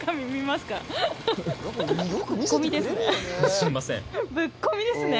すいません。